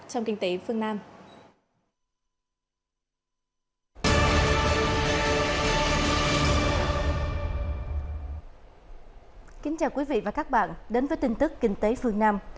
xin chào quý vị và các bạn đến với tin tức kinh tế phương nam